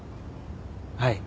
はい。